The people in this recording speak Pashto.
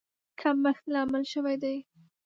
کمښت لامل شوی دی.